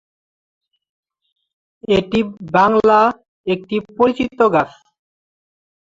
এটি বাংলা একটি পরিচিত গাছ।